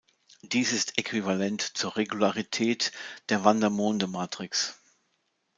Dies ist äquivalent zur Regularität der Vandermonde-Matrix.